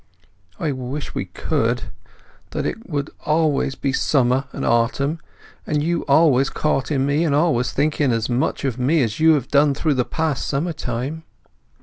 "I wish we could. That it would always be summer and autumn, and you always courting me, and always thinking as much of me as you have done through the past summer time!"